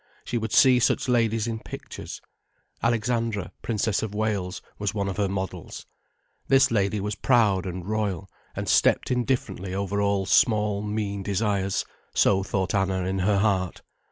She would see such ladies in pictures: Alexandra, Princess of Wales, was one of her models. This lady was proud and royal, and stepped indifferently over all small, mean desires: so thought Anna, in her heart.